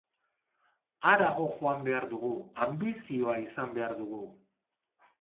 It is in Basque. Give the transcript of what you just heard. Harago joan behar dugu, anbizioa izan behar dugu.